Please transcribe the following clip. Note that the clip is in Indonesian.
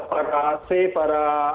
para se para